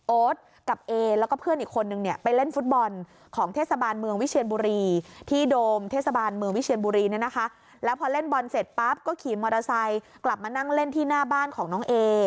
กับเอแล้วก็เพื่อนอีกคนนึงเนี่ยไปเล่นฟุตบอลของเทศบาลเมืองวิเชียนบุรีที่โดมเทศบาลเมืองวิเชียนบุรีเนี่ยนะคะแล้วพอเล่นบอลเสร็จปั๊บก็ขี่มอเตอร์ไซค์กลับมานั่งเล่นที่หน้าบ้านของน้องเอ